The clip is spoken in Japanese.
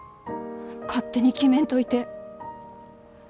勝手に決めんといて。